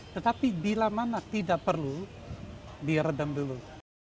tetapi bila mana tidak perlu diredam dulu